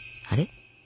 あれ？